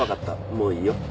もういいよ。